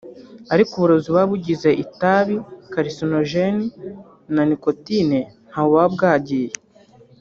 Ariko uburozi buba bugize itabi(carcinogens na nicotine) ntaho buba bwagiye